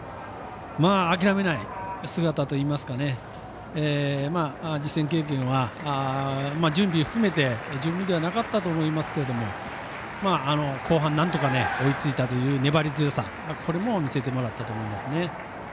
諦めない姿といいますか実戦経験は準備を含めて十分ではなかったと思いますけれど後半、なんとか追いついた粘り強さこれも見せてもらったと思います。